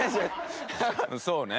そうね。